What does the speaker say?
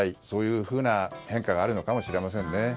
そういうふうな変化があるのかもしれませんね。